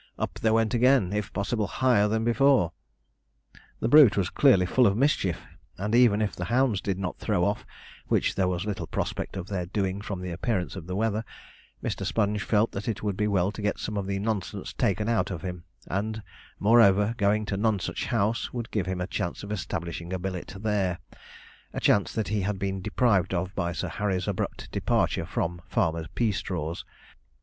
Up they went again, if possible higher than before. The brute was clearly full of mischief, and even if the hounds did not throw off, which there was little prospect of their doing from the appearance of the weather, Mr. Sponge felt that it would be well to get some of the nonsense taken out of him; and, moreover, going to Nonsuch House would give him a chance of establishing a billet there a chance that he had been deprived of by Sir Harry's abrupt departure from Farmer Peastraw's.